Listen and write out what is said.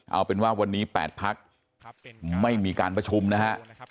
เอาเป็นว่าวันนี้๘พักไม่มีการประชุมนะฮะ